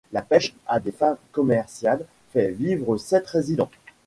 La pêche à des fins commerciales fait vivre sept résidents.